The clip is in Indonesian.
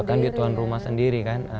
kan di tuan rumah sendiri kan